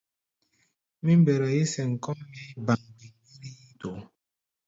Mí mbɛra yí-sɛm kɔ́ʼm mɛʼi̧ báŋ-báŋ wár yíítoó.